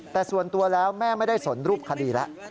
แต่ส่วนตัวแล้วแม่ไม่ได้สนรูปคดีแล้ว